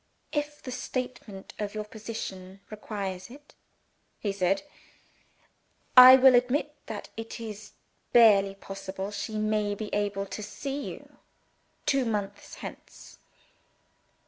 'If the statement of your position requires it,' he said, 'I will admit that it is barely possible she may be able to see you two months hence.